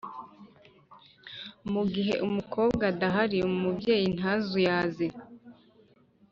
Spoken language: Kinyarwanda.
mu gihe umukobwa adahari, umubyeyi ntazuyaze